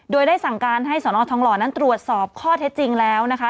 โดยได้สั่งการให้สนทองหล่อนั้นตรวจสอบข้อเท็จจริงแล้วนะคะ